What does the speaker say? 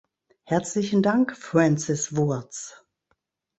Herzlichen Dank, Francis Wurtz!